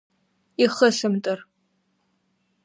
Ихысымтыр…